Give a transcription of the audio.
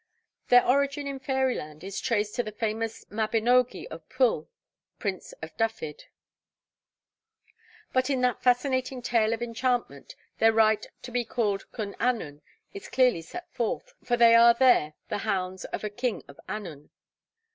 Their origin in fairyland is traced to the famous mabinogi of Pwyll, Prince of Dyfed; but in that fascinating tale of enchantment their right to be called Cwn Annwn is clearly set forth, for they are there the hounds of a King of Annwn.